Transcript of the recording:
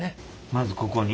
まずここに？